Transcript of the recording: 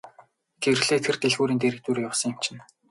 Гэрлээ тэр дэлгүүрийн дэргэдүүр явсан юм чинь.